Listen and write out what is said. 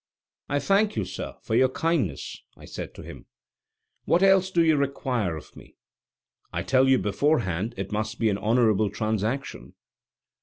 "I thank you, sir, for your kindness," I said to him; "what else do you require of me? I tell you beforehand it must be an honorable transaction."